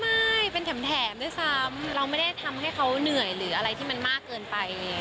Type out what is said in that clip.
ไม่เป็นแถมด้วยซ้ำเราไม่ได้ทำให้เขาเหนื่อยหรืออะไรที่มันมากเกินไป